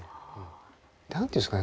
何て言うんですかね